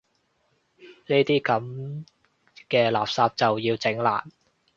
呢啲噉嘅垃圾就要整爛